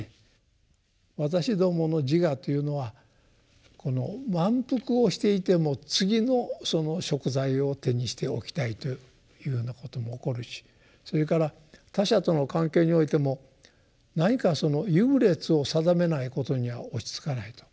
私どもの自我というのは満腹をしていても次の食材を手にしておきたいというようなことも起こるしそれから他者との関係においても何か優劣を定めないことには落ち着かないと。